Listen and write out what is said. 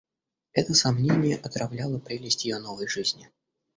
Это сомнение отравляло прелесть ее новой жизни.